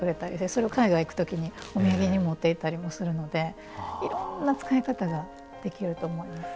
それを海外行く時にお土産に持っていったりもするのでいろんな使い方ができると思います。